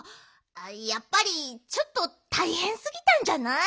やっぱりちょっとたいへんすぎたんじゃない？